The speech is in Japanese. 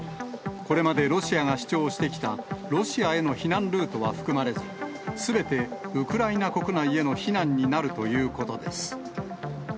これまでロシアが主張してきたロシアへの避難ルートは含まれず、すべてウクライナ国内への避難になるということです。